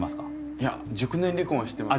いや熟年離婚は知ってます。